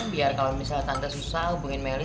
biar kalau misalnya tante susah hubungin mary